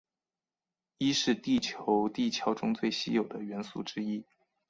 铱是地球地壳中最稀有的元素之一。